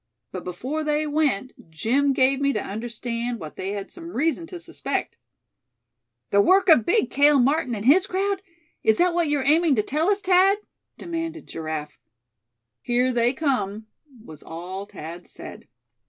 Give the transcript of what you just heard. But before they went, Jim gave me to understand what they had some reason to suspect." "The work of big Cale Martin and his crowd? Is that what you're aiming to tell us, Thad?" demanded Giraffe. "Here they come!" was all Thad said.